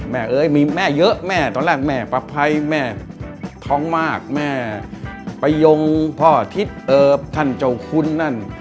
เอ้ยมีแม่เยอะแม่ตอนแรกแม่ประภัยแม่ท้องมากแม่ประยงพ่อทิศเอิบท่านเจ้าคุณนั่น